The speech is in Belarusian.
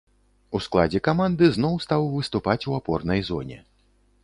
У складзе каманды зноў стаў выступаць у апорнай зоне.